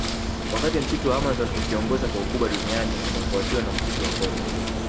Wakati Msitu wa Amazon ukiongoza kwa ukubwa duniani unafuatiwa na msitu wa Kongo